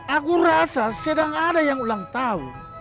aku rasa sedang ada yang ulang tahun